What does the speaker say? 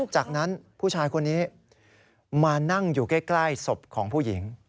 จากนั้นผู้ชายคนนี้มานั่งอยู่ใกล้ศพของผู้หญิง